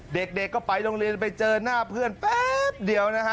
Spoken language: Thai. เด็กก็ไปโรงเรียนไปเจอหน้าเพื่อนแป๊บเดียวนะฮะ